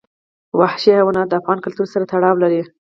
وحشي حیوانات د افغان کلتور سره تړاو لري.